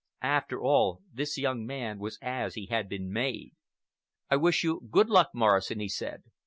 After all, this young man was as he had been made. "I wish you good luck, Morrison," he said.